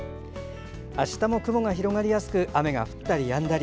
明日も雲が広がりやすく雨が降ったりやんだり。